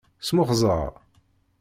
Smuxẓer.